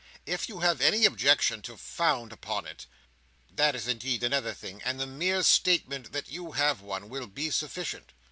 If you have any objection to found upon it, that is indeed another thing, and the mere statement that you have one will be sufficient.